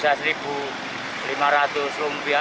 sekarang setelah pandemi ini kita habis cuma delapan ratus lumpia